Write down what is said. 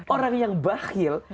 orang yang bakhil